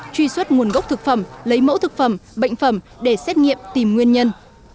truy xuất nguồn gốc thực phẩm lấy mẫu thực phẩm bệnh phẩm để xét nghiệm tìm nguyên nhân